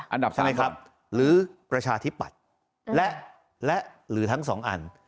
อันดับ๓ครับใช่ไหมครับหรือประชาธิปัตรและหรือทั้งสองอัน